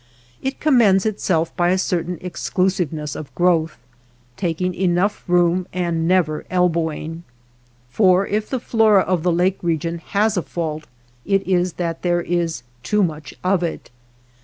It commends itself by a certain exclusiveness of growth, taking enough room and never elbowing ; for if the flora of the lake region has a fault it is that there is too much of it.